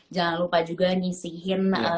jangan lupa juga ngisiin